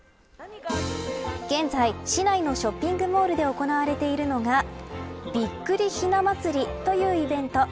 現在、市内のショッピングモールで行われているのがびっくりひな祭りというイベント。